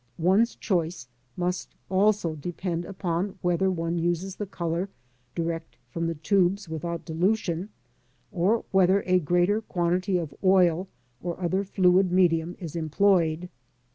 One's choice must also depend upon whether one uses the colour direct from the tubes without dilution, or whether a greater quantity of oil or other fluid medium is employed.